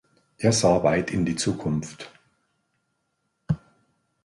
Er sah weit in die Zukunft.